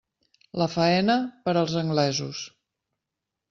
La faena, per als anglesos.